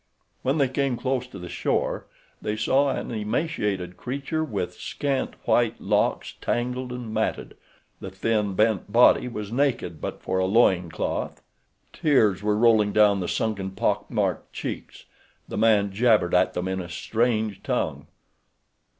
When they came close to the shore they saw an emaciated creature with scant white locks tangled and matted. The thin, bent body was naked but for a loin cloth. Tears were rolling down the sunken pock marked cheeks. The man jabbered at them in a strange tongue.